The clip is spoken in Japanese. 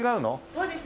そうです。